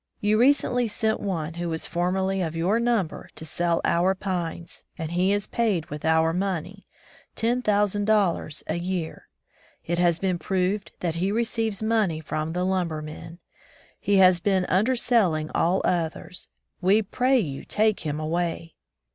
You recently sent one who was formerly of your number to sell our pines, and he is paid with our money, ten thousand dollars a year. It has been proved that he receives money from the lumber men. He has been underselling all others. We pray you take him away!